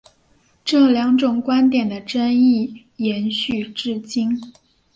这两种观点的争议延续至今。